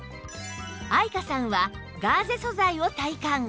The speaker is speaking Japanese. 愛華さんはガーゼ素材を体感